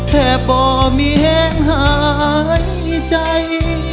แท้บ่อมีแห้งหายใจ